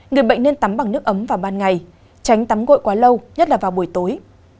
người bệnh nên tắm bằng nước ấm vào ban ngày tránh tắm gội quá lâu nhất là vào buổi tối